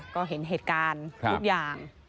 ก็เห็นเหตุการณ์ทุกอย่าง